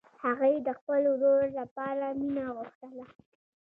هغې د خپل ورور لپاره مینه غوښتله